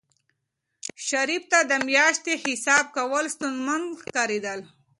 شریف ته د میاشتې حساب کول ستونزمن ښکارېدل.